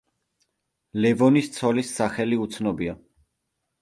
ლევონის ცოლის სახელი უცნობია.